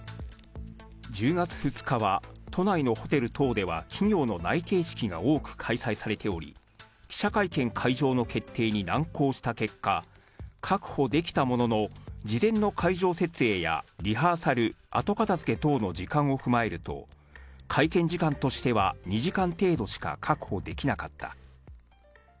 １０月２日は都内のホテル等では企業の内定式が多く開催されており、記者会見会場の決定に難航した結果、確保できたものの、事前の会場設営やリハーサル、後片づけ等の時間を踏まえると、会見時間としては２時間程度しか確保できなかった。